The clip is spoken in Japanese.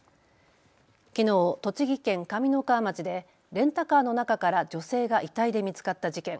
きのう栃木県上三川町でレンタカーの中から女性が遺体で見つかった事件。